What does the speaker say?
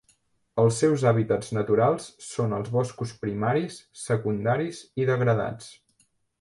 Els seus hàbitats naturals són els boscos primaris, secundaris i degradats.